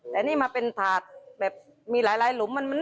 แต่นี่มาเป็นถาดมีหลายหลุมมันไม่มี